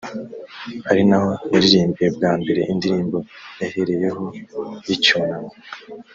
ari naho yaririmbiye bwa mbere indirimbo yahereyeho y’icyunamo